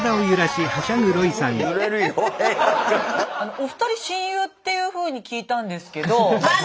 お二人親友っていうふうに聞いたんですけど。